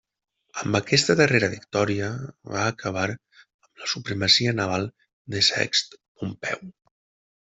Amb aquesta darrera victòria va acabar amb la supremacia naval de Sext Pompeu.